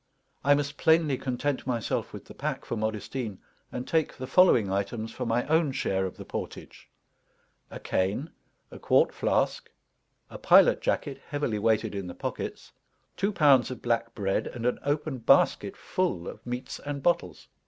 I must plainly content myself with the pack for Modestine, and take the following items for my own share of the portage: a cane, a quart flask, a pilot jacket heavily weighted in the pockets, two pounds of black bread, and an open basket full of meats and bottles.